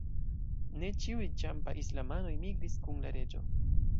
Ne ĉiuj Ĉampa-islamanoj migris kun la reĝo.